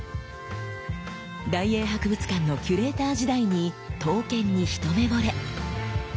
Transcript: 大英博物館のキュレーター時代に刀剣に一目ぼれ。